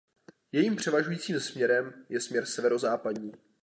Jejím převažujícím směrem je směr severozápadní.